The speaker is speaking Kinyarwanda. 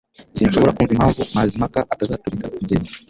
Sinshobora kumva impamvu Mazimpaka atazatureka tugenda